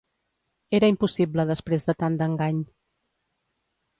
Era impossible després de tant d'engany.